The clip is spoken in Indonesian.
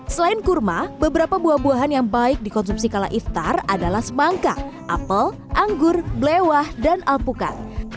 selain kurma beberapa buah buahan yang baik dikonsumsi kala iftar adalah semangka apel anggur blewah dan alpukat